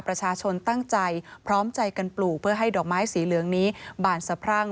ประชาชนตั้งใจพร้อมใจกันปลูกเพื่อให้ดอกไม้สีเหลืองนี้บานสะพรั่ง